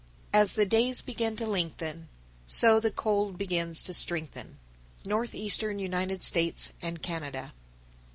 As the days begin to lengthen, So the cold begins to strengthen. _Northeastern United States and Canada.